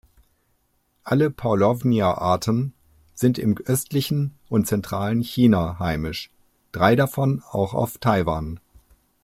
Alle "Paulownia"-Arten sind im östlichen und zentralen China heimisch, drei davon auch auf Taiwan.